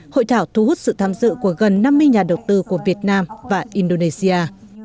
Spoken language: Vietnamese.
hội thảo thu hút sự tham dự của gần năm mươi nhà đầu tư của việt nam và indonesia